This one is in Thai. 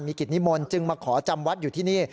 กิจนิมนต์จึงมาขอจำวัดอยู่ที่นี่